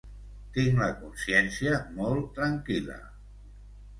Tinc la consciència molt tranquil·la.